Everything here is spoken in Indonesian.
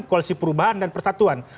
koalisi perubahan dan persatuan